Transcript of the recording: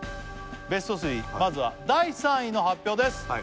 ベスト３まずは第３位の発表です